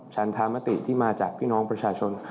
ฉันธรรมติที่มาจากพี่น้องประชาชน